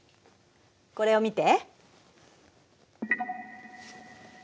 これを見て。